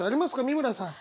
美村さん。